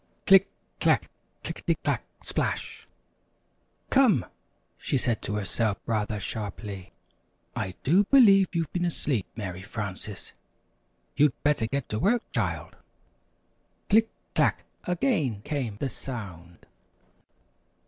"Click, clack! Click ety clack! Splash!" "Come," she said to herself, rather sharply, "I do believe you've been asleep, Mary Frances! You'd better get to work, child." "Click! Clack!" Again came the sound.